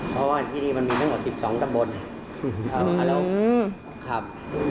เพราะว่าที่นี่มันมีทั้งหมด๑๒ตำบลครับ